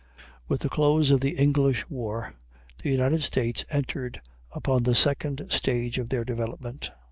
With the close of the English war the United States entered upon the second stage of their development.